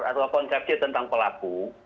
atau konsepsi tentang pelaku